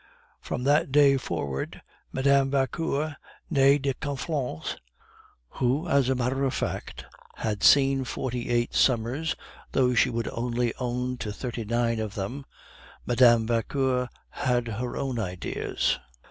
From that day forward Mme. Vauquer (nee de Conflans), who, as a matter of fact, had seen forty eight summers, though she would only own to thirty nine of them Mme. Vauquer had her own ideas.